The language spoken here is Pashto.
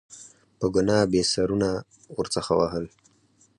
په ګناه یې سرونه ورڅخه وهل.